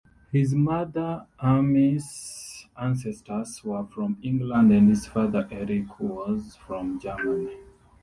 His mother Amy's ancestors were from England and his father Eric was from Germany.